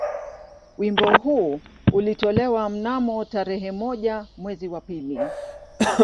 Wimbo huu ulitolewa mnamo tarehe moja mwezi wa pili